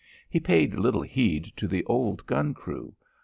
He paid little heed to the old gun crew.